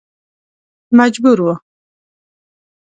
مجبور و.